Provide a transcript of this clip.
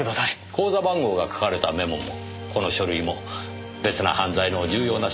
口座番号が書かれたメモもこの書類も別の犯罪の重要な証拠です。